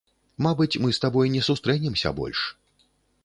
Мабыць, мы з табой не сустрэнемся больш.